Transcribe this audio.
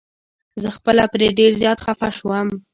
زه خپله پرې ډير زيات خفه شوم.